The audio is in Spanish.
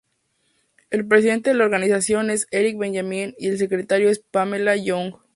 El presidente de la organización es Eric Benjamin y el secretario es Pamela Young.